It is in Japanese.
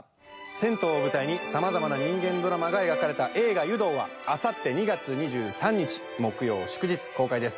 銭湯を舞台にさまざまな人間ドラマが描かれた映画「湯道」はあさって２月２３日木曜祝日公開です。